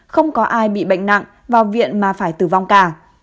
không có ai bị bệnh nặng vào viện mà phải tử vong cả